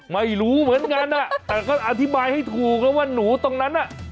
ไม่รู้เหมือนกันแต่ก็อธิบายให้ถูกแล้วว่าหนูตรงนั้นน่ะ